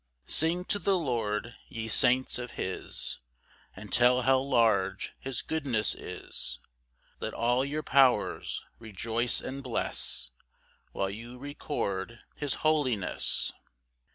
2 Sing to the Lord, ye saints of his, And tell how large his goodness is; Let all your powers rejoice and bless, While you record his holiness.